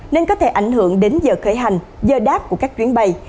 nên có thể ảnh hưởng đến giờ khởi hành giờ đáp của các chuyến bay